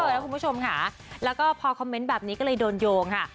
แล้วคุณผู้ชมค่ะแล้วก็พอคอมเมนต์แบบนี้ก็เลยโดนโยงค่ะ